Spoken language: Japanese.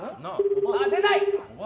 出ない。